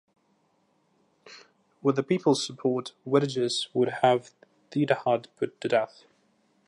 With the people's support, Witigis would have Theodahad put to death.